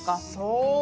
［そう！